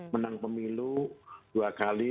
menang pemilu dua kali